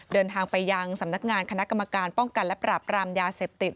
เดินทางไปยังสำนักงานคณะกรรมการป้องกันและปราบรามยาเสพติด